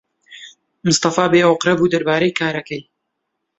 مستەفا بێئۆقرە بوو دەربارەی کارەکەی.